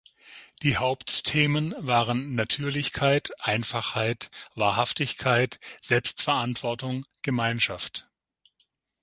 Die Hauptthemen waren „Natürlichkeit, Einfachheit, Wahrhaftigkeit, Selbstverantwortung, Gemeinschaft“.